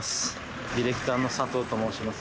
ディレクターの佐藤と申します